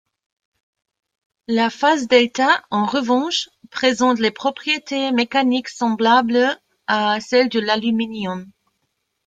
La phase δ, en revanche, présente des propriétés mécaniques semblables à celle de l'aluminium.